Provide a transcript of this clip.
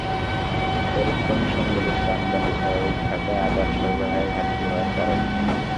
Tariff commission বলছে, আমদানি স্বাভাবিক থাকায় আদার সরবরাহে ঘাটতি হওয়ার কারণ নেই।